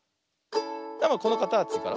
このかたちから。